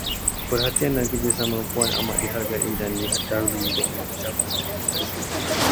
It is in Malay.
Perhatian dan kerjasama Puan amat dihargai dan didahului dengan ucapan terima kasih.